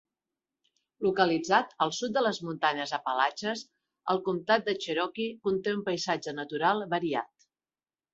Localitzat al sud de les Muntanyes Apalatxes, el comtat de Cherokee conté un paisatge natural variat.